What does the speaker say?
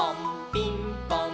ピンポン！